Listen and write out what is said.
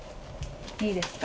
いいですか？